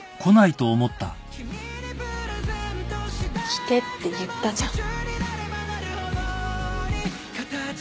来てって言ったじゃん。